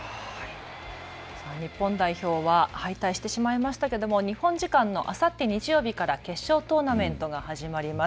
日本代表は敗退してしまいましたが日本時間のあさって日曜日から決勝トーナメントが始まります。